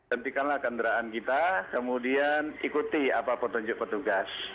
hentikanlah kendaraan kita kemudian ikuti apa petunjuk petugas